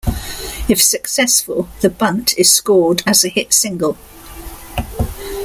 If successful, the bunt is scored as a hit single.